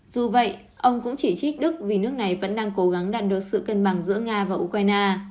dù vậy ông cũng chỉ trích đức vì nước này vẫn đang cố gắng đạt được sự cân bằng giữa nga và ukraine